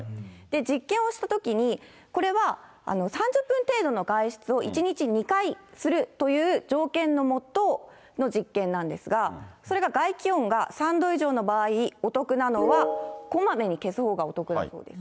実験をしたときに、これは３０分程度の外出を１日２回するという条件の下の実験なんですが、それが外気温が３度以上の場合、お得なのは、こまめに消すほうがお得だそうです。